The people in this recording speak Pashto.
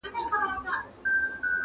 و څښتن د سپي ته ورغله په قار سوه,